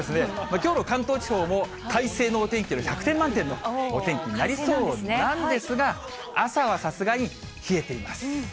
きょうの関東地方も快晴のお天気の百点満点のお天気になりそうなんですが、朝はさすがに冷えています。